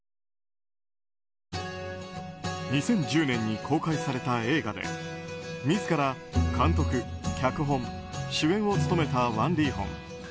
２０１０年に公開された映画で自ら監督、脚本、主演を務めたワン・リーホン。